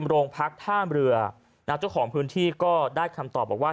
โรงพักท่ามเรือเจ้าของพื้นที่ก็ได้คำตอบบอกว่า